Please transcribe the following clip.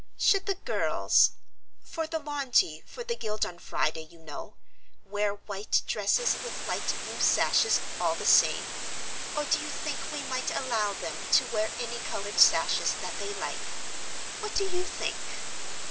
Should the girls for the lawn tea for the Guild on Friday, you know wear white dresses with light blue sashes all the same, or do you think we might allow them to wear any coloured sashes that they like? What do you think?"